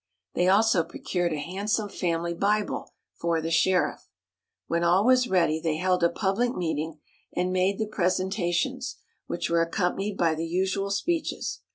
They also procured a handsome family Bible for the sheriff. When all was ready, they held a public meeting, and made the presentations, which were accompanied by the usual speeches.